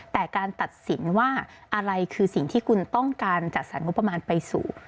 แต่การตัดสินว่าอะไรคือสิ่งที่คุณต้องการจัดสรรงบประมาณไปสู่